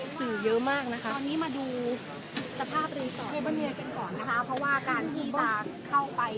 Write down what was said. สื่อเยอะมากนะคะตอนนี้มาดูสภาพรีเกาะนะคะเพราะว่าการที่จะเข้าไป